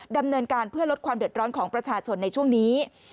ดำเนินการเพื่อลดความเดือดร้อนของประชาชนในช่วงนี้